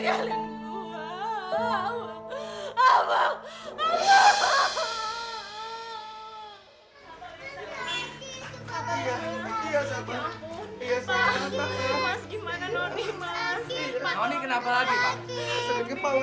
ya udah mas cepet aja kena bawa masakit pak